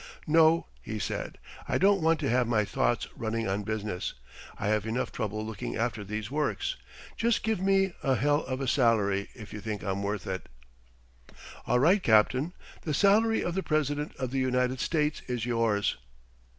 "No," he said, "I don't want to have my thoughts running on business. I have enough trouble looking after these works. Just give me a h l of a salary if you think I'm worth it." "All right, Captain, the salary of the President of the United States is yours."